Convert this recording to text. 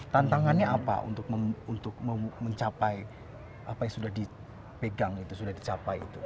tantangannya apa untuk mencapai apa yang sudah dipegang itu sudah dicapai itu